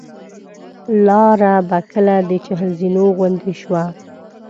لاره به کله د چهل زینو غوندې شوه.